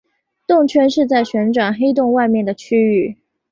动圈是在旋转黑洞外面的区域。